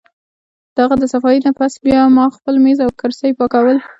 د هغه د صفائي نه پس به بیا ما خپل مېز او کرسۍ پاکول